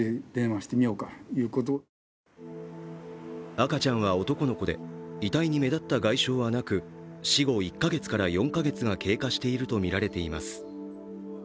赤ちゃんは男の子で、遺体に目立った外傷はなく、死後１か月から４か月が経過しているとみられています。